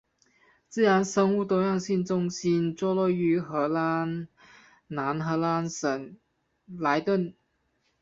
自然生物多样性中心座落于荷兰南荷兰省莱顿。